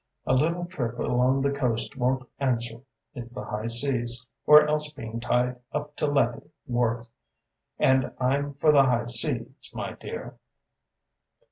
A little trip along the coast won't answer. It's the high seas or else being tied up to Lethe wharf. And I'm for the high seas, my dear!